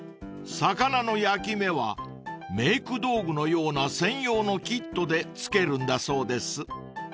［魚の焼き目はメーク道具のような専用のキットで付けるんだそうです］